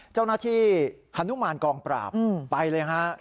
เจ้าหน้าธีหันุมารกองปราภไปเลยฮะ